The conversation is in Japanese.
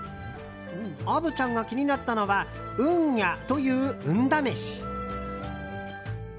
虻ちゃんが気になったのは運矢という運試し。